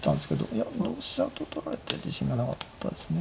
いや同飛車と取られて自信がなかったですね。